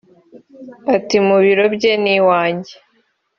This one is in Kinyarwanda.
Ati”Mu biro bye n’iwajye